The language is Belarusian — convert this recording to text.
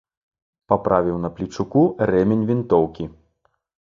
Паправіў на плечуку рэмень вінтоўкі.